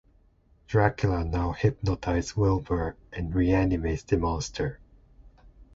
Dracula now hypnotizes Wilbur and re-animates the Monster.